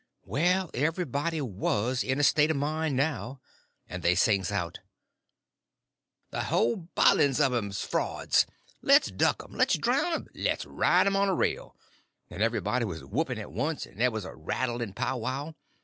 Well, everybody was in a state of mind now, and they sings out: "The whole bilin' of 'm 's frauds! Le's duck 'em! le's drown 'em! le's ride 'em on a rail!" and everybody was whooping at once, and there was a rattling powwow.